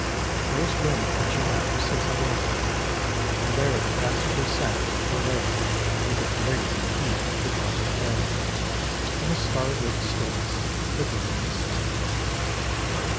There was room for two mattresses on the after deck, and there the passengers sat or lay through the blazing heat of the tropical day and the star lit stillness of the Burmese night.